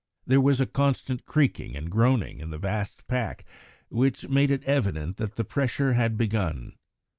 There was a constant creaking and groaning in the vast pack which made it evident that the pressure had begun.